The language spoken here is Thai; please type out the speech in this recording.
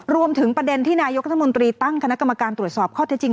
รวมถึงประเด็นที่นายกรัฐมนตรีตั้งคณะกรรมการตรวจสอบข้อเท็จจริง